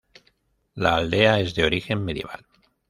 La aldea es de origen medieval.